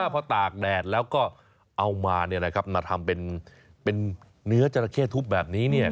พอตากแดดแล้วก็เอามาทำเป็นเนื้อจราเข้ทุบแบบนี้เนี่ย